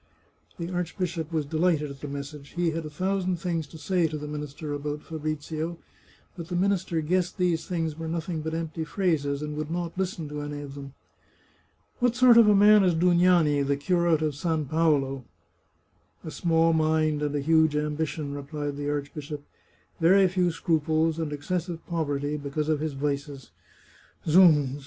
The archbishop was de lighted at the message. He had a thousand things to say to the minister about Fabrizio; but the minister guessed these things were nothing but empty phrases, and would not listen to any of them. " What sort of a man is Dug^ani, the curate of San Paolo?" 306 The Chartreuse of Parma " A small mind and a huge ambition," replied the arch bishop ;" very few scruples, and excessive poverty, because of his vices." " Zounds